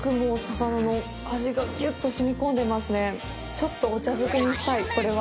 ちょっとお茶漬けにしたい、これは。